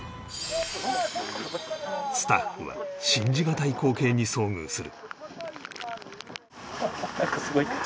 スタッフは信じがたい光景に遭遇する